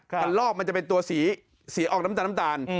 พันลอกมันจะเป็นตัวสีออกน้ำตาลน้ำตาล